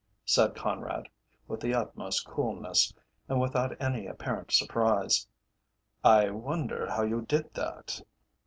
said Conrad with the utmost coolness, and without any apparent surprise. "I wonder how you did that?"